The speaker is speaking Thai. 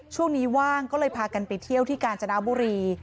ช่วงนี้ว่างก็เลยพากันไปเที่ยวที่กาญจนบุรี